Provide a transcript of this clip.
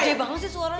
udah banget sih suaranya